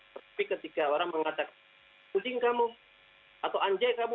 tapi ketika orang mengatakan anjing kamu atau anjay kamu